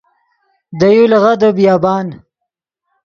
دے یو لیغدے بیابان